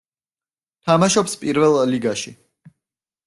თამაშობს პირველ ლიგაში.